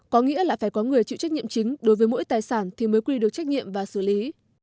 có nghĩa là phải có người chịu trách nhiệm chính đối với mỗi tài sản thì mới quy được trách nhiệm và xử lý